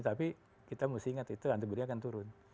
tapi kita mesti ingat itu antibody akan turun